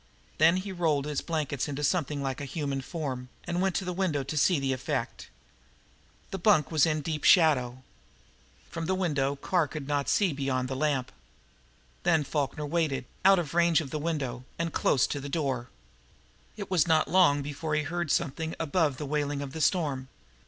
Then he rolled his blankets into something like a human form, and went to the window to see the effect. The bunk was in deep shadow. From the window Corporal Carr could not see beyond the lamp. Then Falkner waited, out of range of the window, and close to the door. It was not long before he heard something above the wailing of the storm.